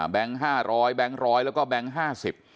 แบงค์๕๐๐บาทแบงค์๑๐๐บาทแล้วก็แบงค์๕๐บาท